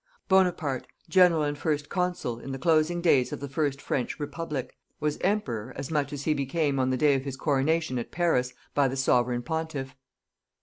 Bonaparte, General and First Consul, in the closing days of the first French Republic, was Emperor as much as he became on the day of his Coronation, at Paris, by the Sovereign Pontiff.